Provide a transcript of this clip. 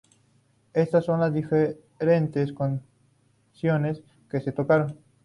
Estas son las diferentes canciones que se tocaron.